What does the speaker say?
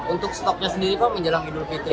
untuk stoknya sendiri kok menjelang hidup itu